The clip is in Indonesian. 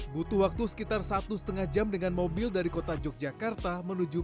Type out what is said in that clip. butuh waktu sekitar satu setengah jam dengan mobil dari kota yogyakarta menuju